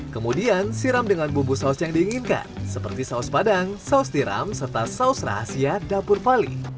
kemudian siram dengan bumbu saus yang diinginkan seperti saus padang saus tiram serta saus rahasia dapur pali